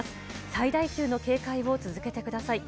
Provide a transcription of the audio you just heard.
最大級の警戒を続けてください。